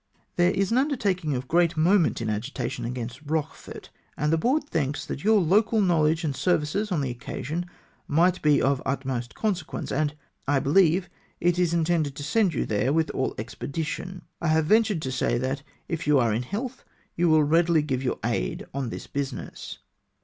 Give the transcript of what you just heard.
"There is an undertaking of great moment in agitation ao^ainst Eochefort, and the Board thinks that your local knowledge and services on the occasion might be of the utmost consequence, and, I believe, it is intended to send you there with all expedition ; I have ventured to say, that if you are in health, you will readily give your aid on this business.